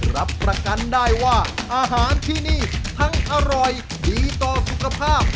รับประกันได้ว่าอาหารที่นี่ทั้งอร่อยดีต่อสุขภาพ